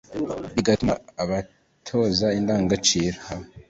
bigatuma abatoza indangagaciro